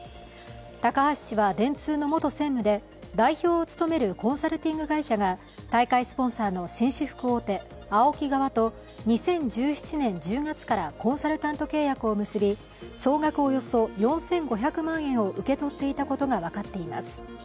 高橋氏は、電通の元専務で代表を務めるコンサルティング会社が大会スポンサーの紳士服大手ＡＯＫＩ側と、２０１７年１０月からコンサルタント契約を結び総額およそ４５００万円を受け取っていたことが分かっています。